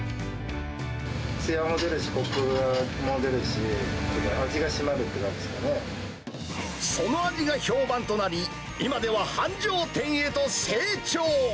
つやが出るし、こくも出るし、その味が評判となり、今では繁盛店へと成長。